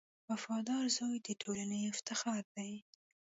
• وفادار زوی د ټولنې افتخار دی.